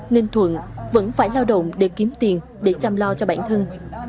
ninh thuận vẫn phải lao động để kiếm tiền để chăm lo cho bản thân